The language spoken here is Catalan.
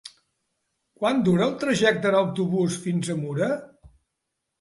Quant dura el trajecte en autobús fins a Mura?